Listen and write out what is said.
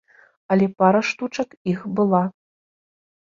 Але пара штучак іх была.